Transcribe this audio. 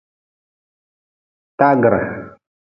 Taagre.